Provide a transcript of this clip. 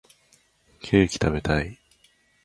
ケーキ食べたい